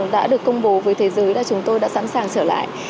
đã được công bố với thế giới là chúng tôi đã sẵn sàng trở lại